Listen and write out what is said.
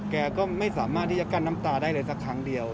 แกก็ไม่สามารถที่จะกั้นน้ำตาได้เลยสักครั้งเดียว